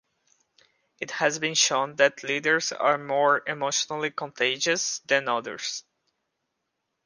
It has been shown that leaders are more emotionally "contagious" than others.